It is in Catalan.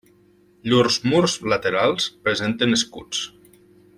Llurs murs laterals presenten escuts.